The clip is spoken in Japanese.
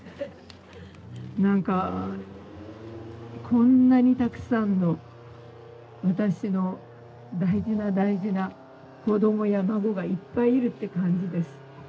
何かこんなにたくさんの私の大事な大事な子供や孫がいっぱいいるって感じです。